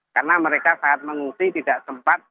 karena mereka saat mengungsi tidak sempat